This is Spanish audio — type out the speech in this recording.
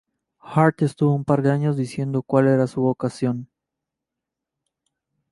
Hart estuvo un par de años decidiendo cual era su vocación.